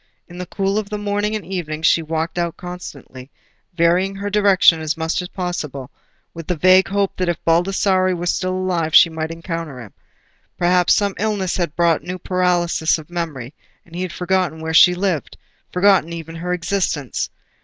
In the cool of the morning and evening she walked out constantly, varying her direction as much as possible, with the vague hope that if Baldassarre were still alive she might encounter him. Perhaps some illness had brought a new paralysis of memory, and he had forgotten where she lived—forgotten even her existence.